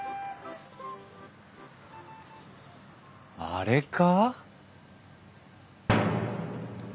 あれか？